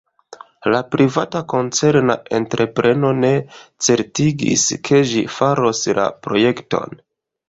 La privata koncerna entrepreno ne certigis, ke ĝi faros la projekton.